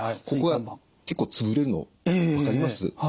ここが結構つぶれるの分かります？